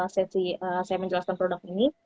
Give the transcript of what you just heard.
sesi saya menjelaskan produk ini